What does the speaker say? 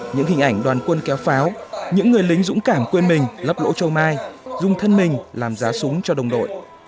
những hình ảnh đoàn quân kéo pháo những người lính dũng cảm quên mình lấp lỗ châu mai dung thân mình làm giá súng cho đồng đội